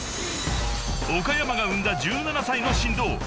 ［岡山が生んだ１７歳の神童］